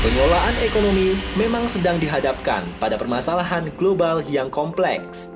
pengelolaan ekonomi memang sedang dihadapkan pada permasalahan global yang kompleks